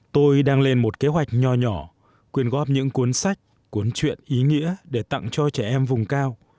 tôi đang lên một kế hoạch nhỏ quyên góp những cuốn sách cuốn chuyện ý nghĩa để tặng cho trẻ em vùng cao